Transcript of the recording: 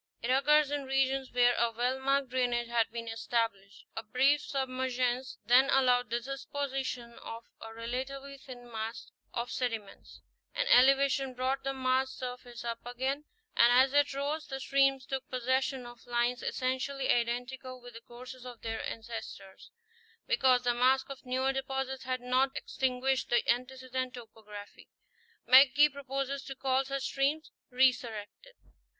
It occurs in regions where a well marked drainage had been established ; a brief sub mergence then allowed the deposition of a relatively thin mask of sediments; an elevation brought the masked surface up again, and as it rose, the streams took possession of lines essen tially identical with the courses of their ancestors, because the mask of newer deposits had not extinguished the antecedent topography. McGee proposes to call such streams "resurrected."